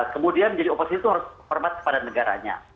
kemudian menjadi oposisi itu harus hormat kepada negaranya